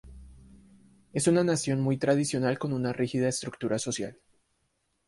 Es una nación muy tradicional con una rígida estructura social.